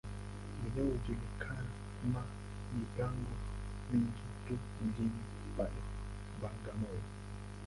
Mwenye kujihusisha ma mipango mingi tu mjini pale, Bagamoyo.